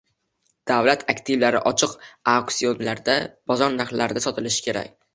Davlat aktivlari ochiq auktsionlarda, bozor narxlarida sotilishi kerak